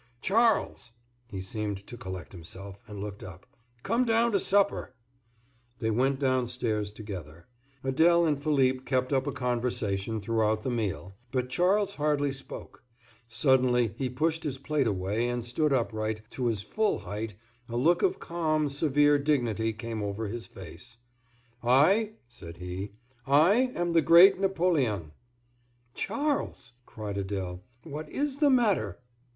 "Charles!" He seemed to collect himself, and looked up. "Come down to supper!" They went downstairs together. Adèle and Philippe kept up a conversation throughout the meal, but Charles hardly spoke. Suddenly he pushed his plate away and stood upright, to his full height; a look of calm, severe dignity came over his face. "I!" said he; "I am the Great Napoleon!" "Charles!" cried Adèle, "what is the matter?"